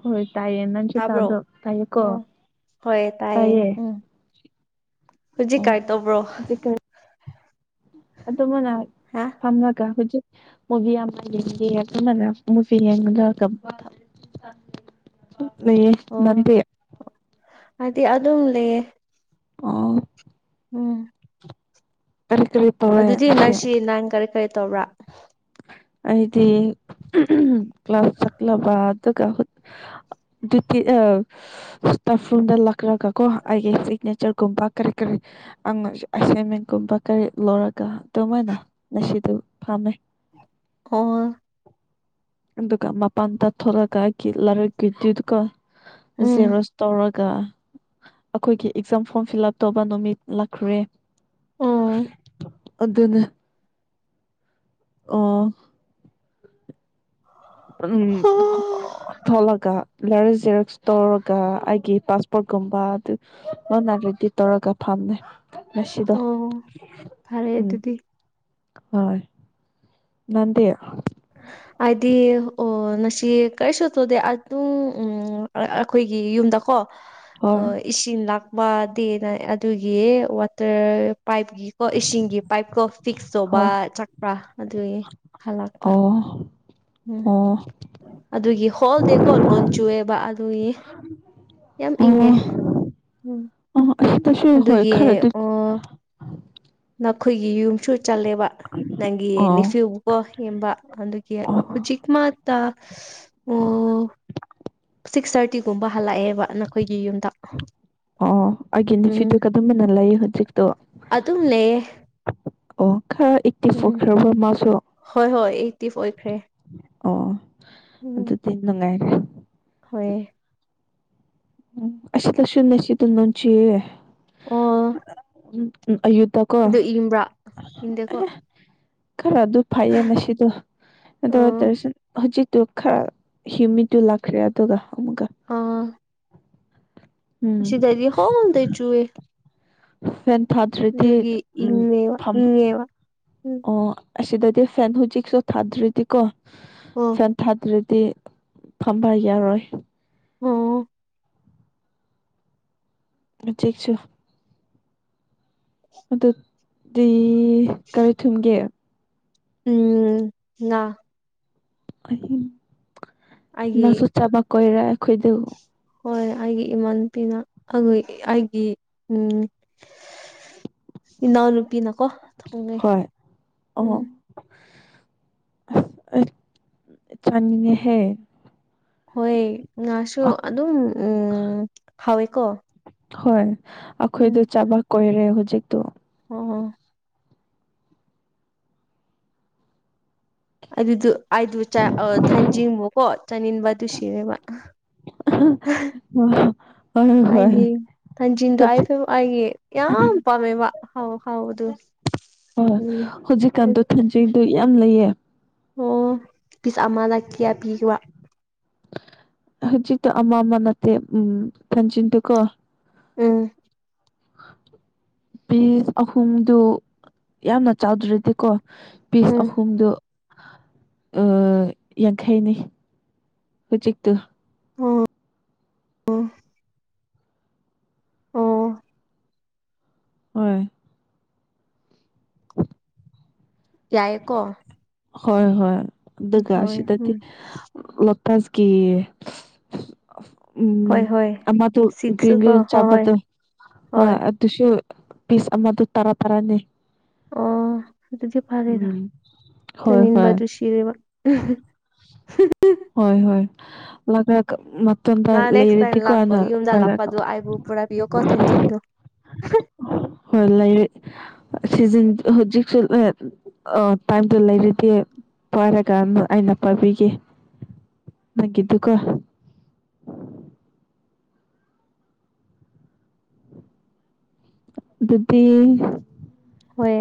ꯍꯣꯏ ꯇꯥꯌꯦ ꯅꯪꯁꯨ ꯇꯗꯣ ꯇꯥꯕ꯭ꯔꯣ ꯇꯌꯦꯀꯣ ꯑꯣ ꯍꯣꯏ ꯇꯥꯏꯌꯦ ꯇꯥꯌꯦ ꯎꯝ ꯍꯧꯖꯤꯛ ꯀꯥꯏ ꯇꯧꯕ꯭ꯔꯣ ꯑꯗꯨꯃꯅ ꯍꯥ ꯐꯝꯃꯒ ꯍꯨꯖꯤꯛ [unintelligible] [inaudible] ꯂꯩꯌꯦ ꯅꯪꯗꯤ ꯑꯩꯗꯤ ꯑꯗꯨꯝ ꯂꯩꯌꯦ ꯑꯣ ꯎꯝ ꯀꯔꯤ ꯀꯔꯤ ꯇꯧꯔꯦ ꯑꯗꯨꯗꯤ ꯉꯁꯤ ꯅꯪꯁꯤ ꯅꯪ ꯀꯔꯤ ꯀꯔꯤ ꯇꯧꯕ꯭ꯔꯥ ꯑꯩꯗꯤ ꯀ꯭ꯂꯥꯁ ꯆꯠꯂꯕ ꯑꯗꯨꯒ ꯍꯨꯠ ꯗ꯭ꯌꯨꯇꯤ ꯑꯥ ꯁꯇꯥꯐꯨꯟꯗ ꯂꯥꯛꯂꯒ ꯀꯣ ꯑꯩꯒꯤ ꯁꯤꯒꯅꯦꯆꯔꯒꯨꯝꯕ ꯀ꯭ꯔꯤ ꯀ꯭ꯔꯤ ꯑꯪ ꯑꯦꯁꯥꯏꯟꯃꯦꯟꯒꯨꯝꯕ ꯀꯔꯤ ꯂꯧꯔꯒ ꯑꯗꯨꯃꯥꯏꯅ ꯉꯁꯤꯗꯨ ꯐꯝꯃꯦ ꯑꯣ ꯑꯗꯨꯒ ꯃꯄꯥꯟ ꯗ ꯊꯣꯛꯂꯒ ꯑꯩꯒꯤ ꯂꯥꯏꯔꯤꯛꯀꯤꯗꯨ ꯎꯝ ꯖꯦꯔꯣꯛꯁ ꯇꯧꯔ ꯒ ꯑꯈꯣꯏꯒꯤ ꯑꯦꯛꯖꯥꯝ ꯐꯣꯔꯝ ꯐꯤꯜ ꯂꯞ ꯇꯧꯕ ꯅꯨꯃꯤꯠ ꯂꯛꯈ꯭ꯔꯦ ꯑꯣ ꯑꯗꯨꯅꯦ ꯑꯣ ꯎꯝ ꯑꯣ ꯊꯣꯛꯂꯒ ꯂꯥꯏꯔꯤ ꯖꯦꯔꯣꯛꯁ ꯇꯧꯔꯒ ꯑꯩꯒꯤ ꯄꯥꯁꯄꯣꯔꯠꯀꯨꯝꯕ ꯗꯨ ꯂꯣꯏꯅ ꯔꯦꯗꯤ ꯇꯧꯔꯒ ꯐ ꯅꯦ ꯉꯁꯤꯗꯣ ꯐꯔꯦ ꯎꯝ ꯑꯗꯨꯗꯤ ꯍꯣꯏ ꯅꯟꯗꯤ ꯑꯥꯏꯗꯤ ꯑꯣ ꯅꯁꯤ ꯀꯩꯁꯨ ꯇꯨꯗꯤ ꯑꯗꯨꯝ ꯎꯝ ꯑꯥ ꯑꯈꯣꯏꯒꯤ ꯌꯨꯝꯗꯀꯣ ꯍꯣꯏ ꯑꯥ ꯏꯁꯤꯡ ꯂꯥꯛ ꯋꯥꯗꯦꯅ ꯑꯗꯨꯒꯤ ꯋꯥꯇꯔ ꯄꯥꯏꯞꯀꯤꯀꯣ ꯏꯁꯤꯡꯒꯤ ꯄꯥꯏꯞꯀꯣ ꯐꯤꯛꯁ ꯇꯧꯕ ꯍꯣꯏ ꯆꯛꯄ꯭ꯔꯥ ꯑꯗꯨꯒꯤ ꯍꯜꯂꯛꯄ ꯑꯣ ꯎꯝ ꯑꯣ ꯑꯗꯨꯒꯤ ꯍꯣꯜꯗꯦꯀꯣ ꯂꯣꯟ ꯆꯨꯑꯦꯕ ꯑꯗꯨꯒꯤ ꯌꯥꯝ ꯑꯣ ꯏꯪꯉꯦ ꯎꯝ ꯑꯣ ꯑꯁꯤꯗꯁꯨ ꯍꯣꯏ ꯑꯗꯨꯒꯤ ꯈꯔꯗꯤ ꯑꯣ ꯅꯈꯣꯏꯒꯤ ꯌꯨꯝꯁꯨ ꯆꯠꯂꯦꯕꯥ ꯅꯪꯒꯤ ꯑꯣ ꯅꯤꯐꯤꯜꯕꯨꯀꯣ ꯌꯦꯟꯕ ꯑꯗꯨꯒꯤ ꯑꯣ ꯍꯨꯖꯤꯛ ꯃꯛ ꯇꯥ ꯑꯣ ꯁꯤꯛꯁ ꯊꯥꯔꯇꯤꯒꯨꯝꯕ ꯍꯜꯂꯛꯑꯦꯕ ꯅꯈꯣꯏꯒꯤ ꯌꯨꯝꯗ ꯑꯣ ꯑꯣ ꯑꯩꯒꯤ ꯎꯝ ꯗꯤꯐꯤꯠꯇꯣ ꯀꯗꯝꯕꯅ ꯂꯩꯌꯦ ꯍꯨꯖꯤꯛꯇꯣ ꯑꯗꯨꯝ ꯂꯩꯌꯦ ꯎꯝ ꯍꯣꯏ ꯍꯣꯏ ꯑꯦꯛꯇꯤꯐ ꯑꯣꯏꯈ꯭ꯔꯦ ꯑꯣ ꯎꯝ ꯑꯗꯨꯗꯤ ꯅꯨꯡꯉꯥꯏ ꯍꯣꯏ ꯑꯣ [unintelligible] ꯑꯗꯨ ꯏꯪꯕ꯭ꯔꯥ ꯏꯪꯗꯦꯀꯣ ꯀꯀꯣ ꯑꯦ ꯈꯔ ꯑꯗꯨ ꯐꯩꯌꯦ ꯅꯁꯤꯗꯣ ꯑꯗꯨ ꯑꯣ ꯇꯧꯔꯁꯟ ꯍꯧꯖꯤꯛ ꯇꯨ ꯈꯔ ꯍ꯭ꯌꯨꯃꯤꯠꯇꯨ ꯂꯥꯛꯈ꯭ꯔꯦ ꯑꯗꯨꯒ ꯑꯃꯨꯛꯀ ꯑꯥ ꯎꯝ ꯉꯁꯤꯗꯩꯗꯤ ꯍꯣꯜ ꯗꯦ ꯆꯨꯋꯦ ꯐꯦꯟ ꯊꯥꯗ꯭ꯔꯗꯤ ꯑꯗꯨꯒꯤ ꯎꯝ ꯏꯪꯉꯦꯕ ꯐꯝ ꯏꯪꯉꯦꯕ ꯎꯝ ꯑꯣ ꯑꯁꯤꯗꯗꯤ ꯐꯦꯟ ꯍꯨꯖꯤꯛꯁꯨ ꯊꯥꯗ꯭ꯔꯤꯗꯤꯀꯣ ꯑꯣ ꯐꯦꯟ ꯊꯥꯗ꯭ꯔꯤ ꯇꯤ ꯐꯝꯕ ꯌꯥꯔꯣꯏ ꯑꯣ [unintelligible] ꯑꯗꯨ ꯗꯤ ꯀꯔꯤ ꯊꯨꯝꯒꯦ ꯎꯝ ꯉꯥ ꯑꯍꯤꯡ ꯅꯁꯨ ꯑꯩꯒꯤ ꯆꯥꯕ ꯀꯣꯏꯔꯦ ꯑꯩꯈꯣꯏꯗꯨ ꯍꯣꯏ ꯑꯩꯒꯤ ꯏꯃꯥꯟꯅꯄꯤꯅ ꯑꯒꯨꯏ ꯑꯥꯏꯒꯤ ꯎꯝ ꯏꯅꯥꯎꯅꯨꯄꯤꯅꯀꯣ ꯊꯣꯡꯉꯦ ꯍꯣꯏ ꯎꯝ ꯑꯣ [unintelligible] ꯆꯥꯅꯤꯡꯉꯦꯍꯦ ꯍꯣꯏ ꯉꯥꯁꯨ ꯑꯛ- ꯑꯗꯨꯝ ꯎꯝ ꯍꯥꯎꯋꯦꯀꯣ ꯍꯣꯏ ꯑꯈꯣꯏꯗꯨ ꯎꯝ ꯆꯥꯕ ꯀꯣꯏꯔꯦ ꯍꯨꯖꯤꯛꯇꯨ ꯑꯣ ꯑꯗꯨꯗꯨ ꯑꯥꯏꯗꯨ ꯆꯥ ꯑꯥ ꯊꯥꯟꯖꯤꯡꯕꯨꯀꯣ ꯆꯥꯅꯤꯡꯕ ꯑꯗꯨ ꯁꯤꯔꯦꯕ [unintelligible] ꯑꯩꯒꯤ ꯍꯧꯖꯤꯛ ꯊꯥꯡꯖꯤꯟꯒꯥꯢꯗꯣ ꯑꯩꯒꯤ ꯌꯥꯝ ꯄꯥꯝꯃꯦꯕ ꯍꯥꯎ ꯍꯥꯎꯕꯗꯨ ꯎꯝ ꯍꯨꯖꯤꯛꯀꯥꯟꯗꯣ ꯊꯥꯡꯖꯤꯡꯗꯣ ꯌꯥꯝ ꯂꯩꯌꯦ ꯑꯣ ꯄꯤꯁ ꯑꯃꯗ ꯀꯤꯌꯥ ꯄꯤꯈꯤꯕ ꯍꯧꯖꯤꯛꯇꯣ ꯑꯃ ꯑꯃ ꯅꯠꯇꯦ ꯎꯝ ꯊꯥꯡꯖꯤꯡꯗꯣꯀꯣ ꯎꯝ ꯄꯤꯁ ꯑꯍꯨꯝꯗꯨ ꯌꯥꯝꯅ ꯆꯥꯎꯗ꯭ꯔꯤꯕꯀꯣ ꯄꯤꯁ ꯎꯝ ꯑꯍꯨꯝꯗꯨ ꯑꯦ ꯌꯥꯡꯈꯩꯅꯦ ꯍꯧꯖꯤꯛꯇꯨ ꯑꯣ ꯑꯣ ꯑꯣ ꯎꯝ [inaudible] ꯌꯥꯏꯌꯦꯀꯣ ꯍꯣꯏ ꯍꯣꯏ ꯑꯗꯨꯒ ꯍꯣꯏ ꯁꯤꯗꯗꯤ ꯎꯝ ꯂꯣ ꯄꯨꯐꯀꯤ ꯎꯝ ꯍꯣꯏ ꯍꯣꯏ ꯑꯃꯗꯨ ꯁꯤꯠꯁꯨ ꯒ꯭ꯔꯤꯟ ꯀꯣ ꯒ꯭ꯔꯤꯟ ꯍꯣꯏ ꯍꯣꯏ ꯆꯥꯄꯗꯨ ꯍꯣꯏ ꯑꯗꯨꯁꯨ ꯄꯤꯁ ꯑꯃꯗꯨ ꯇꯔꯥ ꯇꯔꯥꯅꯤ ꯑꯣ ꯑꯗꯨꯗꯤ ꯐꯥꯔꯦꯗ ꯎꯝ ꯍꯣꯏ ꯍꯣꯏ ꯆꯅꯤꯟꯕꯗꯨ ꯁꯤꯔꯦꯕ ꯍꯣꯏ ꯍꯣꯏ ꯂꯥꯛꯔꯒ ꯃꯠ ꯅ ꯅꯦꯛꯁ ꯇꯥꯏꯝ ꯂꯥꯛꯄꯣ ꯌꯨꯝꯗ ꯂꯥꯛꯄꯗꯨ ꯑꯩꯕꯨ ꯄꯨꯔꯥ ꯄꯤꯌꯣ ꯀꯣ ꯊꯟꯖꯤꯟꯗꯨ [unintelligible] ꯍꯣꯏ ꯂꯩꯔꯤ ꯁꯤꯖꯤꯟ ꯍꯧꯖꯤꯛꯁꯨ ꯂꯦꯠ ꯑꯥ ꯇꯥꯏꯝꯇ ꯂꯩꯔꯗꯤ ꯄꯥꯏꯔꯀꯥꯟꯗ ꯑꯩꯅ ꯄꯥꯕꯤꯒꯦ ꯅꯪꯒꯤꯗꯨꯀꯣ ꯑꯗꯨꯗꯤ ꯍꯣꯏ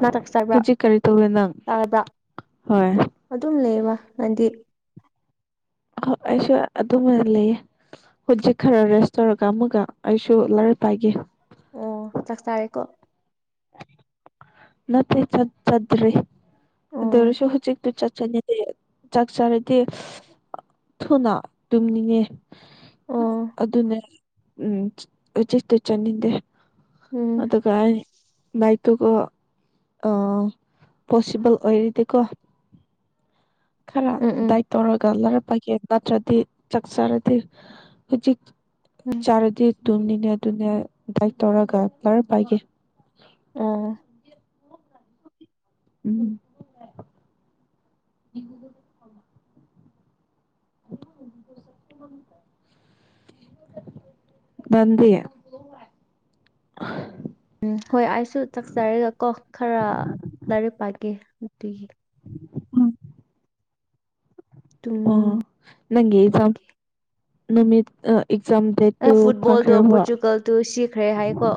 ꯅꯔꯛꯆꯔꯕ ꯍꯧꯖꯤꯛ ꯀꯔꯤ ꯇꯧꯔꯦ ꯅꯪ ꯇꯥꯗ ꯍꯣꯏ ꯑꯗꯨꯝ ꯂꯩꯌꯦꯕ ꯅꯪꯗꯤ ꯍ ꯑꯩꯁꯨ ꯑꯗꯨꯝꯅ ꯂꯩꯑꯦ ꯍꯧꯖꯤꯛ ꯈꯔ ꯔꯦꯁ ꯇꯧꯔꯒ ꯑꯃꯨꯛꯒ ꯑꯩꯁꯨ ꯂꯥꯔꯤꯛ ꯄꯥꯏꯒꯦ ꯑꯣ ꯆꯥꯛ ꯆꯥꯔꯦꯀꯣ ꯅꯠꯇꯦ ꯆꯠ ꯆꯠꯗ꯭ꯔꯤ ꯑꯗꯨ ꯑꯣ ꯑꯣꯏꯔꯁꯨ ꯍꯧꯖꯤꯛꯇꯨ ꯆꯠ ꯆꯥꯅꯤꯡꯗꯦ ꯆꯥꯛ ꯆꯥꯔꯗꯤ ꯊꯨꯅ ꯇꯨꯝꯅꯤꯡꯉꯦ ꯑꯣ ꯑꯗꯨꯅꯦ ꯎꯝ ꯍꯧꯖꯤꯛꯇꯤ ꯆꯥꯅꯤꯡꯗꯦ ꯎꯝ ꯑꯗꯨꯒ ꯑꯥꯏ ꯕꯥꯏꯇꯨꯀꯣ ꯑꯥ ꯄꯣꯁꯤꯕꯜ ꯑꯣꯏꯔꯤꯗꯤꯀꯣ ꯈꯔ ꯎꯝ ꯎꯝ ꯗꯥꯏꯠ ꯇꯧꯔꯒ ꯂꯥꯔꯛ ꯄꯒꯦ ꯅꯠꯇ꯭ꯔꯗꯤ ꯆꯥꯛꯆꯔꯗꯤ ꯍꯧꯖꯤꯛ ꯎꯝ ꯆꯥꯔꯗꯤ ꯇꯨꯝꯅꯤꯅꯦ ꯑꯗꯨꯅꯦ ꯗꯥꯏꯠ ꯇꯧꯔꯒ ꯂꯔꯛ ꯄꯥꯒꯦ ꯑꯣ ꯎꯝ [inaudible] ꯅꯟꯗꯤ ꯎꯝ ꯍꯣꯏ ꯑꯩꯁꯨ ꯆꯥꯛꯆꯔꯒ ꯀꯣ ꯈꯔ ꯂꯥꯏꯔꯤꯛ ꯄꯥꯒꯦ ꯅꯨꯡꯇꯤꯒꯤ ꯑꯣ ꯇꯨꯝ ꯅꯪꯒꯤ ꯑꯦꯖꯥꯝ ꯅꯨꯃꯤꯠ ꯑꯥ ꯑꯦꯛꯖꯥꯝ ꯗꯦꯠ ꯇꯨ ꯐꯨꯠꯕꯣꯜꯗꯣ ꯐꯪꯈ꯭ꯔꯦ ꯕ ꯄꯣꯔꯆꯨꯒꯜꯗꯨ ꯁꯤꯈ꯭ꯔꯦ ꯍꯥꯏꯀꯣ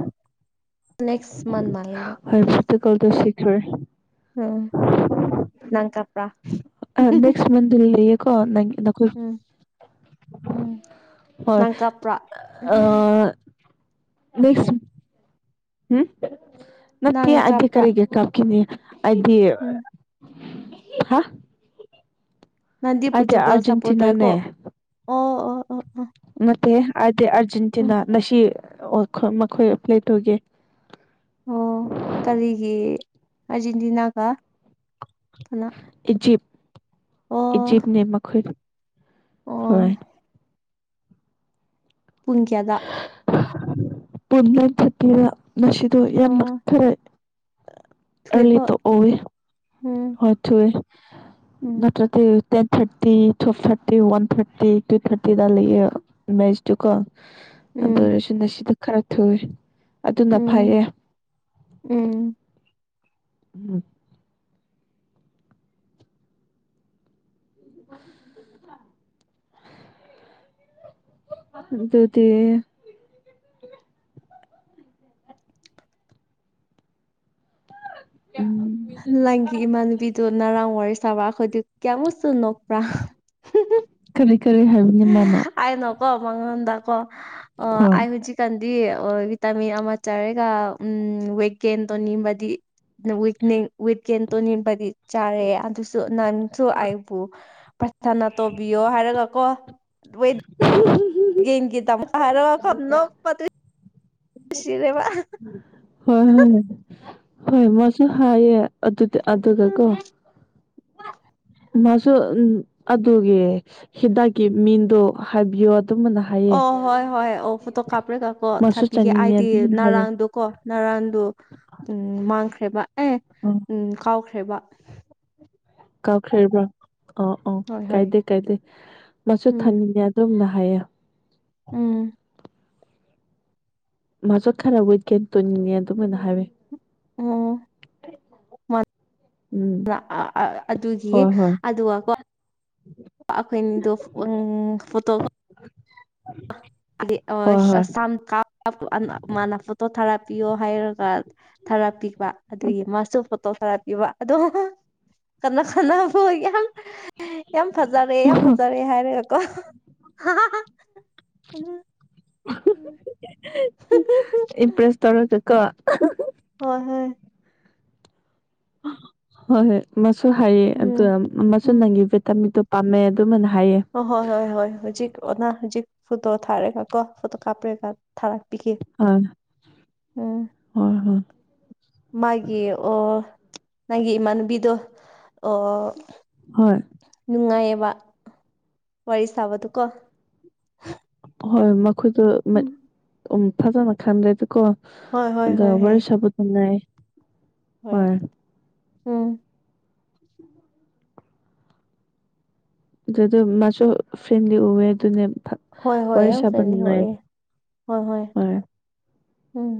ꯅꯦꯛꯁ ꯃꯟ ꯃꯥꯜꯂꯦꯕ [unintelligible] ꯎꯝ ꯅꯪ ꯀ ꯑꯥ ꯅꯦꯛꯁ ꯃꯟꯗꯨꯂꯤ ꯂꯩꯌꯦꯀꯣ ꯅꯪꯒꯤ ꯅꯈꯣꯏ ꯅꯪ ꯍꯣꯏ ꯀꯥꯞꯄ꯭ꯔꯥ ꯑꯥ ꯅꯦꯛꯁ ꯍꯨꯝ ꯅꯠꯇꯦ ꯅꯪ ꯑꯩꯗꯤ ꯀꯥꯞꯄ꯭ꯔꯥ ꯀꯔꯤꯒꯤ ꯀꯞꯀꯤꯅꯤ ꯑꯩꯗꯤ ꯍꯥ ꯅꯪꯗꯤ ꯑꯩꯗꯤ ꯄꯨꯆꯨꯒꯜ ꯁꯄꯣꯠ ꯇꯧꯋꯦꯀꯣ ꯑꯥꯔꯖꯦꯟꯇꯤꯅꯥꯅꯦ ꯑꯣ ꯑꯣ ꯑꯣ ꯑꯣ ꯅꯠꯇꯦ ꯑꯗꯤ ꯎꯝ ꯑꯔꯖꯦꯟꯇꯤꯅꯥ ꯅꯁꯤ [unintelligible] ꯑꯣ ꯀꯔꯤꯒꯤ ꯑꯔꯖꯦꯟꯇꯤꯅꯥꯒ ꯀꯅꯥ ꯏꯖꯤꯞ ꯑꯣ ꯏꯖꯤꯞꯅꯦ ꯃꯈꯣꯏ ꯑꯣ ꯍꯣꯏ ꯄꯨꯡ ꯀꯌꯥꯗꯥ ꯄꯨꯟ ꯅꯥꯏꯟ ꯊ꯭ꯔꯇꯤꯗ ꯃꯦꯁꯤꯗꯨ ꯌꯥꯝꯅ ꯑꯣ ꯈꯔꯦ ꯊꯨꯑꯦꯀꯣ [unintelligible] ꯎꯝ ꯍꯣꯏ ꯊꯨꯏꯋꯦ ꯎꯝ ꯅꯠꯇ꯭ꯔꯗꯤ ten thirty twelve thirty one thirty two ꯊꯥꯔꯇꯤꯗ ꯂꯩꯌꯦ ꯃꯦꯁꯇꯨꯀꯣ ꯑꯗꯨ ꯎꯝ ꯑꯣꯏꯔꯁꯨ ꯅꯁꯤꯗꯨ ꯈꯔ ꯊꯨꯏꯋꯦ ꯑꯗꯨꯅ ꯎꯝ ꯐꯩꯌꯦ ꯎꯝ ꯎꯝ [inaudible] ꯑꯗꯨꯗꯤ ꯎꯝ ꯂꯪꯒꯤ ꯏꯃꯥꯟꯅꯕꯤ ꯗꯨ ꯅꯔꯥꯡ ꯋꯥꯔꯤ ꯁꯥꯕꯥ ꯑꯩꯈꯣꯏꯗꯤ ꯀꯤꯌꯥ ꯃꯨꯛꯁꯨꯨ ꯅꯣꯛꯄ꯭ꯔꯥ ꯀꯔꯤ ꯀꯔꯤ ꯍꯥꯏꯕꯅꯤ ꯃꯥꯅꯥ ꯀꯣ ꯃꯉꯣꯟꯗ ꯀꯣ ꯑꯥ ꯑꯩ ꯍꯧꯖꯤꯀꯥꯟ ꯗꯤ ꯑꯥ ꯚꯤꯇꯥꯃꯤꯟ ꯑꯃ ꯆꯥꯔꯒ ꯎꯝ ꯋꯦꯠ ꯒꯦꯟ ꯇꯣꯅꯤꯡꯕꯗꯤ [unintelligible] ꯋꯦꯀꯦꯟ ꯇꯧꯅꯤꯡꯕꯒꯤ ꯆꯥꯔꯦ ꯑꯗꯨꯁꯨ ꯅꯪꯁꯨ ꯑꯥꯏꯕꯨ ꯄꯔꯊꯅ ꯇꯧꯕꯤꯌꯣ ꯍꯥꯏꯔꯒ ꯀꯣ ꯑꯣꯏ ꯒꯤ ꯇꯃ ꯀꯥꯔꯣꯅꯣ ꯁꯤꯔꯦꯕ ꯍꯣꯏ ꯍꯣꯏ ꯍꯣꯏ ꯃꯣꯏꯁꯨ ꯍꯥꯏꯌꯦ ꯑꯗꯨꯗꯤ ꯑꯗꯨꯒ ꯀꯣ ꯃꯥꯁꯨ ꯎ ꯑꯗꯨꯒꯤ ꯍꯤꯗꯥꯛꯀꯤ ꯃꯤꯡꯗꯣ ꯍꯥꯏꯕꯤꯌꯣ ꯑꯗꯨꯃꯅ ꯍꯥꯏꯌꯦ ꯑꯣ ꯍꯣꯏ ꯍꯣꯏ ꯑꯣ ꯐꯣꯇꯣ ꯀꯥꯞꯄ꯭ꯔꯦꯒꯀꯣ ꯃꯥꯁꯨ ꯊꯥꯄꯤꯒꯦ ꯆꯥꯅꯤꯡꯉꯦ ꯑꯩꯗꯤ ꯑꯗꯨꯝꯅ ꯍꯥꯏꯌꯦ ꯉꯔꯥꯡꯗꯨꯀꯣ ꯉꯔꯥꯡꯗꯨ ꯎ ꯃꯥꯡꯈ꯭ꯔꯦꯕ ꯑꯦ ꯑ ꯎꯝ ꯀꯥꯎꯈ꯭ꯔꯦꯕ ꯀꯥꯎꯈ꯭ꯔꯕ꯭ꯔꯥ ꯑ ꯑ ꯍꯣꯏ ꯍꯣꯏ ꯀꯥꯏꯗꯦ ꯀꯥꯏꯗꯦ ꯃꯁꯨ ꯎꯝ ꯊꯝꯅꯤꯡꯉꯦ ꯑꯗꯣꯝꯅ ꯥꯐꯩꯌꯦ ꯎꯝ ꯃꯆꯠ ꯈꯔ ꯋꯤꯠꯀꯦꯟ ꯇꯣꯟꯅꯤꯡꯉꯦ ꯑꯗꯨꯃꯥꯏꯅ ꯍꯥꯏꯋ ꯎꯝ ꯎꯝ ꯑꯗꯨꯒꯤ ꯍꯣꯏ ꯍꯣꯏ ꯑꯗꯨꯒ ꯀꯣ ꯑꯩꯈꯣꯏꯅꯤꯗꯣ ꯎꯪ ꯐꯣꯇꯣ ꯀꯣ ꯑ ꯍꯣꯏ ꯑ ꯍꯣꯏ ꯁꯝ [unintelligible] ꯃꯥꯅ ꯐꯣꯇꯣ ꯊꯥꯔꯥꯞꯄꯤꯌꯣ ꯍꯥꯏꯔꯒ ꯊꯥꯔꯥꯄꯤꯕ ꯑꯗꯨꯒꯤ ꯃꯥꯁꯨ ꯇꯣꯊꯔ ꯄꯤꯕ ꯑꯗꯣ ꯀꯟꯅ ꯀꯕꯨ ꯌꯥꯝ ꯌꯥꯝ ꯐꯖꯔꯦ ꯌꯥꯝ ꯐꯖꯔꯦ ꯍꯥꯏꯔꯦꯒꯀꯣ ꯍꯥ ꯍꯥ ꯍꯥ ꯎ ꯏꯝꯄ꯭ꯔꯦꯁ ꯇꯧꯔꯒ ꯀꯣ ꯍꯣꯏ ꯍꯣꯏ ꯍꯣꯏ ꯍꯣꯏ ꯃꯁꯨ ꯍꯥꯏꯌꯦ ꯑꯗꯨ ꯎꯝ ꯃꯁꯨ ꯅꯪꯒꯤ ꯚꯤꯇꯥꯃꯤꯟꯗꯣ ꯄꯥꯝꯃꯦ ꯑꯗꯨꯃꯥꯏꯅ ꯍꯥꯏꯌꯦ ꯑꯣ ꯍꯣꯏ ꯍꯣꯏ ꯍꯣꯏ ꯍꯧꯖꯤꯛ ꯑꯣꯅꯥ ꯍꯧꯖꯤꯛ ꯐꯣꯇꯣ ꯊꯥꯔꯦꯒ ꯀꯣ ꯐꯣꯇꯣ ꯀꯥꯞꯄ꯭ꯔꯦꯀ ꯊꯥꯔꯛꯄꯤꯈꯤ ꯑ ꯎꯝ ꯍꯣꯏ ꯍꯣꯏ ꯃꯥꯒꯤ ꯑꯣ ꯅꯪꯒꯤ ꯏꯃꯥꯟꯅꯨꯕꯤꯗꯨꯣ ꯑꯣ ꯍꯣꯏ ꯅꯨꯡꯉꯥꯏꯌꯦꯕ ꯋꯥꯔꯤ ꯁꯥꯕꯗꯨꯀꯣ ꯍꯣꯏ ꯃꯈꯣꯏꯗꯣ ꯎꯝ ꯎ ꯐꯖꯅ ꯈꯟꯗ꯭ꯔꯦꯗꯤꯀꯣ ꯍꯣꯏ ꯍꯣꯏ ꯑꯗꯣ ꯍꯣꯏ ꯍꯣꯏ ꯋꯥꯔꯤ ꯁꯥꯄ ꯊꯝꯅꯥꯏ ꯍꯣꯏ ꯎꯝ ꯑꯗꯨꯗ ꯃꯥꯁꯨ ꯐ꯭ꯔꯦꯟꯂꯤ ꯎꯋꯦ ꯑꯗꯨꯅꯦ ꯍꯣꯏ ꯍꯣꯏ ꯋꯥꯔꯤ ꯌꯥꯝ ꯁꯥꯕ ꯐ꯭ꯔꯦꯟꯅꯤ ꯅꯨꯡꯉꯥꯏ ꯑꯣꯏꯅꯦ ꯍꯣꯏ ꯍꯣꯏ ꯎꯝ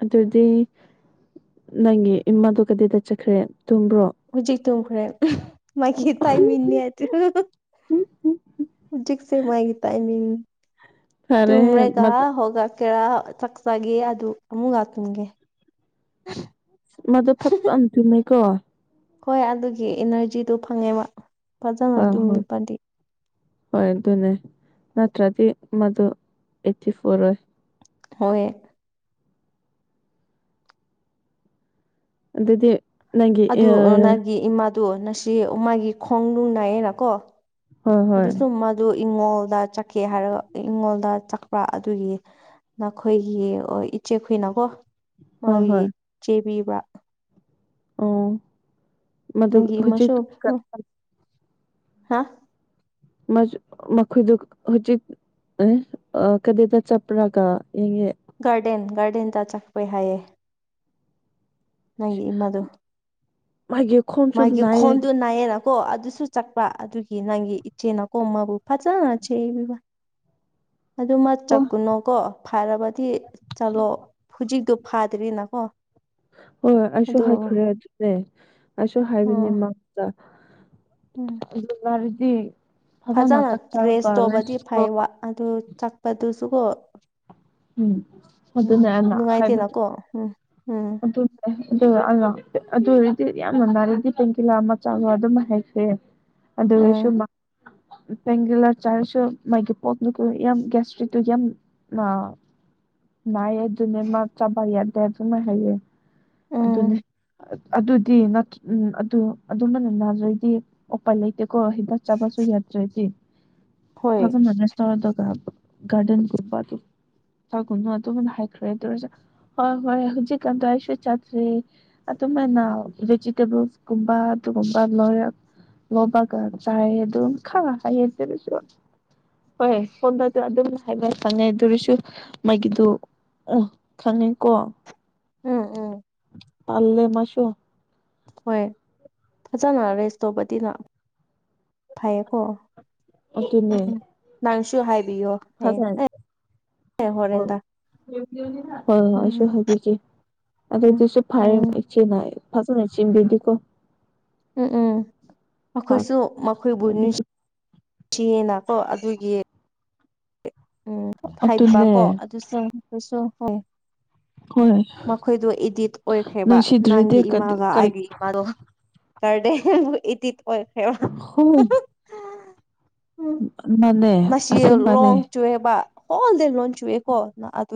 ꯑꯗꯨꯗꯤ ꯅꯪꯒꯤ ꯏꯃꯥꯗꯨ ꯀꯗꯤꯗ ꯆꯠꯈ꯭ꯔꯦ ꯇꯨꯝꯕ꯭ꯔꯣ ꯇꯈꯔꯦ ꯃꯥꯒꯤ ꯇꯥꯏ ꯃꯤꯅꯤ ꯍꯧꯖꯤꯛꯁꯦ ꯃꯥꯒꯤ ꯇꯥꯢꯃꯤꯟ ꯐꯔꯦ ꯇꯨꯃ꯭ꯔꯦꯒ ꯃꯗꯨ ꯍꯧꯒꯠ ꯀꯦꯔꯥ ꯆꯥꯛꯆꯒꯦ ꯑꯗꯨ ꯑꯃꯨꯛ ꯂꯥꯛꯍ ꯟꯒꯦ ꯃꯥꯗꯨ ꯐꯛꯄꯥꯃꯥ ꯆꯨꯝꯃꯦꯀꯣ ꯍꯣꯏ ꯑꯗꯨꯒꯤ ꯏꯅꯔꯖꯤꯗꯨ ꯐꯪꯉꯦꯕ ꯐꯖꯅ ꯍꯣꯏ ꯍꯣꯏ ꯇꯨꯝꯂꯛꯄꯗꯤ ꯍꯣꯏ ꯑꯗꯨꯅꯦ ꯅꯠꯇ꯭ꯔꯗꯤ ꯃꯗꯨ ꯑꯦꯛꯇꯤꯞ ꯑꯣꯏꯔꯣꯢ ꯍꯣꯢꯌꯦ ꯑꯗꯨꯗꯤ ꯅꯪꯒꯤ ꯑꯦꯑꯥꯑꯥ ꯑꯗꯣ ꯅꯁꯤ ꯃꯥꯒꯤ ꯈꯣꯡꯗꯨ ꯅꯥꯏꯌꯦꯅꯀꯣ ꯍꯣꯏ ꯍꯣꯏ ꯑꯗꯨꯁꯨ ꯃꯥꯗꯨ ꯏꯉꯣꯜꯗ ꯆꯠꯀꯦ ꯍꯥꯏꯔꯒ ꯑꯩꯉꯣꯜꯗ ꯆꯛꯄ꯭ꯔ ꯑꯗꯨꯒꯤ ꯅꯈꯣꯏꯒꯤ ꯏꯆꯦ ꯍꯨꯏꯅꯀꯣ ꯍꯣꯏ ꯃꯣꯢꯒꯤꯢ ꯆꯩꯕꯤꯕ ꯑꯣꯑꯣ ꯃꯗꯨ ꯍꯧꯖꯤꯛ ꯀꯥ ꯍꯥꯑꯥ ꯃꯥꯖꯨ ꯃꯈꯣꯏꯗꯨ ꯍꯧꯖꯤꯛ ꯑꯦ ꯀꯔꯤꯗ ꯆꯠꯄ꯭ꯔꯒ ꯌꯦꯡꯉꯦ ꯒꯥꯔꯗꯦꯟ- ꯒꯥꯔꯗꯦꯟꯗ ꯆꯠꯄꯩ ꯍꯥꯏꯌꯦ ꯅꯪꯒꯤ ꯏꯃꯥꯗꯨ ꯃꯥꯒꯤ ꯈꯣꯡꯁꯨ ꯃꯥꯒꯤ ꯅꯥꯏꯌꯦ ꯈꯣꯡꯗꯨ ꯅꯥꯢ ꯌꯦꯅ ꯀꯣ ꯑꯗꯨꯁꯨ ꯆꯠꯄ ꯑꯗꯨꯒꯤ ꯅꯪꯒꯤ ꯏꯆꯦꯅꯀꯣ ꯃꯥꯕꯨ ꯐꯖꯅ ꯆꯩꯕꯤꯕ ꯑꯗꯣ ꯃꯥ ꯑꯣ ꯆꯠꯀꯅꯨꯀꯣ ꯐꯔꯕꯗꯤ ꯆꯠꯂꯣ ꯍꯨꯖꯤꯛꯇꯨ ꯐꯥꯗ꯭ꯔꯤ ꯅꯀꯣ ꯍꯣꯏꯍꯣꯏ ꯑꯩꯁꯨ ꯍꯥꯏꯈ꯭ꯔꯦ ꯑꯗꯨꯅꯦ ꯑꯩꯁꯨ ꯎꯝ ꯍꯥꯏꯕꯅꯤ ꯃꯥꯉꯣꯟꯗ ꯎꯝ INAUDIBLE ꯐꯖꯅ ꯗ꯭ꯔꯦꯁ ꯇꯧꯕꯗꯤ ꯐꯩꯑꯥꯕ ꯑꯗꯨ ꯆꯠꯄꯗꯨꯁꯨꯀꯣ ꯎꯝ ꯎꯝ ꯑꯗꯨꯅꯦꯕ ꯍꯥꯏꯕꯗꯤ ꯅꯨꯡꯉꯥꯏꯇꯦꯅꯀꯣ ꯎꯝ ꯎꯝ ꯑꯗꯨꯅꯦ ꯑꯗꯨꯅꯦ ꯑꯩꯅ ꯑꯗꯨ ꯑꯣꯏꯔꯗꯤ ꯌꯥꯝꯅ ꯅꯥꯔꯗꯤ ꯄꯦꯟꯀꯤꯂꯔ ꯑꯃ ꯆꯥꯔꯒ ꯑꯗꯨꯝ ꯍꯤꯞꯄꯦ ꯑꯗꯨꯗꯤꯁꯨ ꯎꯝ ꯃꯥ ꯄꯦꯟꯀꯤꯂꯥꯔ ꯆꯥꯔꯁꯨ ꯃꯥꯒꯤ ꯄꯣꯠꯇꯨꯀꯣ ꯌꯥꯝ ꯒꯦꯁꯇ꯭ꯔꯤꯛꯇꯨ ꯌꯥꯝ ꯅꯥ ꯅꯥꯏ ꯑꯗꯨꯨꯅꯦ ꯃꯥ ꯆꯥꯕ ꯌꯥꯗꯦ ꯑꯗꯨꯅ ꯍꯥꯏꯌꯦ ꯎꯝ ꯑꯗꯨꯅꯦ ꯑꯗꯨꯗꯤ ꯅꯠ ꯑꯗꯨ ꯑꯗꯨꯃꯥꯏꯅ ꯅꯥꯔꯗꯤ ꯎꯄꯥꯏ ꯂꯩꯇꯦꯕ ꯀꯣ ꯍꯤꯗꯥꯛ ꯆꯥꯕꯁꯨ ꯌꯥꯗ꯭ꯔꯗꯤ ꯍꯣꯏ ꯐꯖꯅ ꯔꯦꯁ ꯇꯧꯑꯣꯗꯣ ꯑꯥ ꯒꯥꯔꯗꯦꯟ ꯒꯨꯝꯕ ꯑꯗꯨ ꯆꯥꯒꯨꯅꯨ ꯑꯗꯨꯃꯥꯏꯅ ꯍꯥꯏꯈ꯭ꯔꯦ ꯑꯗꯨꯑꯣꯢꯔꯖꯨ ꯍꯣꯏ ꯍꯣꯏ ꯍꯧꯖꯤꯛ ꯀꯥꯟꯗꯣ ꯑꯩꯁꯨ ꯆꯥꯗ꯭ꯔꯦ ꯑꯗꯨ ꯑꯗꯨꯃꯥꯏꯅ ꯚꯤꯖꯤꯇꯦꯕꯜꯁ ꯀꯨꯝꯕ ꯑꯗꯨꯒꯨꯝꯕ ꯂꯣꯌꯦꯜ ꯂꯣꯕꯦꯜ ꯀꯥ ꯆꯥꯢꯌꯦ ꯑꯗꯨꯝ ꯈꯔ ꯍꯦꯟꯖꯔꯁꯨ ꯍꯣꯏ ꯍꯦ ꯐꯣꯟꯗꯁꯨ ꯑꯗꯨ ꯑꯗꯨꯝ ꯁꯪꯉꯦ ꯑꯗꯨꯑꯣꯢꯔꯁꯨ ꯃꯥꯒꯤꯗꯨ ꯑꯣ ꯈꯪꯉꯦꯀꯣ INAUDIBLE ꯇꯜꯂꯦ ꯃꯥꯁꯨ ꯍꯣꯏ ꯐꯖꯅ ꯔꯦꯁ ꯇꯧꯕꯗꯤꯅꯥ ꯐꯩꯌꯦꯀꯣ ꯑꯗꯨꯅꯦ ꯅꯪꯁꯨ ꯍꯥꯏꯕꯤꯌꯣ ꯑꯦ ꯑꯩ ꯍꯣꯢ ꯍꯣꯢ ꯍꯣꯏ ꯎꯝ ꯑꯩꯁꯨ ꯍꯥꯢꯕꯤꯒꯦ ꯎꯝ ꯑꯗꯨꯗꯨꯁꯨ ꯐꯩꯑꯦ ꯎꯝ ꯏꯆꯦꯅ ꯐꯖꯅ ꯆꯦꯟꯕꯤꯔꯗꯤ ꯀꯣ ꯎꯪ ꯎꯪ ꯃꯈꯣꯏꯁꯨ ꯃꯈꯣꯏꯕꯨ ꯅꯤꯡ ꯑꯗꯨꯗꯤ ꯊꯤꯌꯦꯅ ꯀꯣ ꯑꯗꯨꯒꯤ ꯎꯝ ꯍꯥꯏꯕ ꯑꯗꯨꯅꯦ ꯃꯥꯀꯣ ꯑꯗꯨꯁꯤꯡ ꯑꯗꯨꯁꯨ ꯍꯣꯏ ꯍꯣꯏ ꯃꯈꯣꯏꯗꯣ ꯏꯗꯤꯠ ꯑꯣꯏꯈ꯭ꯔꯦꯕ ꯅꯨꯡꯁꯤꯗ꯭ꯔꯗꯤ ꯅꯪꯒꯤ ꯏꯃꯥꯒ ꯀꯔꯤ ꯑꯩꯒꯤ ꯏꯃꯥꯗꯣ ꯇꯔꯗꯦ ꯏꯗꯤꯠ ꯑꯣꯏꯈ꯭ꯔꯦꯕ ꯍꯣꯏ ꯍꯥꯍꯪꯍꯪ ꯃꯥꯅꯦ ꯑꯁꯤ ꯃꯥꯅꯦ ꯆꯨꯍꯦꯕ ꯑꯣꯜ ꯗꯦ ꯂꯣꯟ ꯆꯨꯋꯦꯀꯣ ꯅꯣ ꯑꯗꯨ